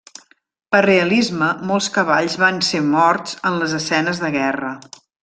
Per realisme molts cavalls van ser morts en les escenes de guerra.